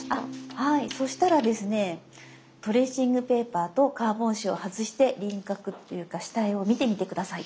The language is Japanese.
はいそしたらですねトレーシングペーパーとカーボン紙を外して輪郭っていうか下絵を見てみて下さい。